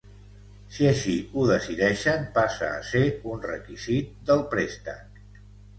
Si així ho decideixen, passa a ser un requisit del préstec.